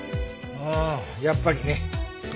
ああやっぱりね。